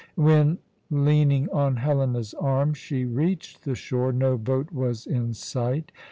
When, leaning on Helena's arm, she reached the shore, no boat was in sight.